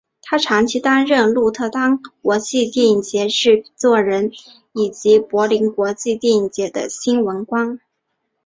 他长期担任鹿特丹国际电影节制作人以及柏林国际电影节的新闻官。